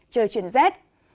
chờ chuyển rét